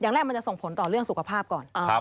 แรกมันจะส่งผลต่อเรื่องสุขภาพก่อน